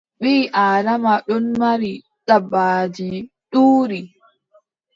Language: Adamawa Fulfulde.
Ɓii Aadama ɗon mari dabbaaji ɗuuɗɗi.